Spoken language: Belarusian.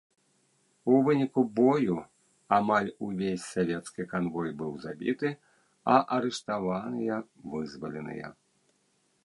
У выніку бою амаль увесь савецкі канвой быў забіты, а арыштаваныя вызваленыя.